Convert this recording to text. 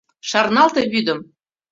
Шарналте вӱдым